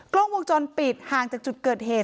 กล้องวงจรปิดห่างจากจุดเกิดเหตุ